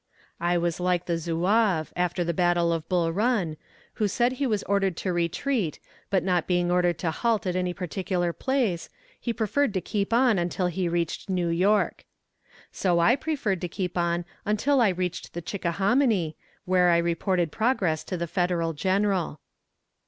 I was like the zouave, after the battle of Bull Run, who said he was ordered to retreat, but not being ordered to halt at any particular place, he preferred to keep on until he reached New York. So I preferred to keep on until I reached the Chickahominy, where I reported progress to the Federal general.